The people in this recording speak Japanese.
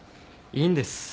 いいんです。